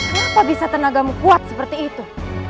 kenapa bisa tenagamu kuat seperti itu